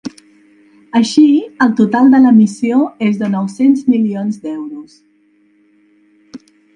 Així, el total de l’emissió és de nou-cents milions d’euros.